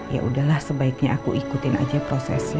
ya udahlah sebaiknya aku ikutin aja prosesnya